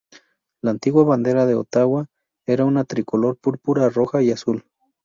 La antigua bandera de Ottawa era una tricolor púrpura, roja y azul.